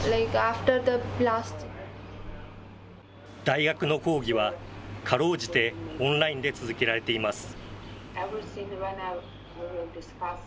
大学の講義は、かろうじてオンラインで続けられています。